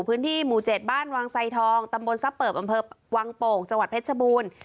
พื้นที่หมู่๗บ้านวังไซทองตำบลทรัพเปิบอำเภอวังโป่งจังหวัดเพชรบูรณ์